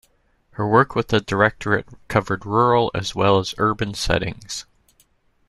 Her work with the Directorate covered rural as well as urban settings.